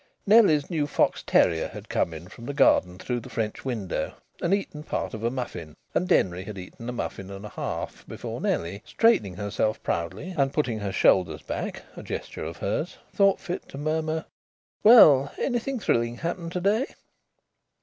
Nellie's new fox terrier had come in from the garden through the French window, and eaten part of a muffin, and Denry had eaten a muffin and a half, before Nellie, straightening herself proudly and putting her shoulders back (a gesture of hers) thought fit to murmur: "Well, anything thrilling happened to day?"